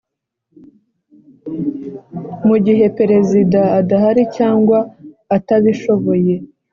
Mugihe Perezida adahari cyangwa atabishoboye